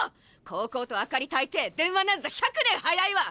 こうこうと明かりたいて電話なんざ１００年早いわ！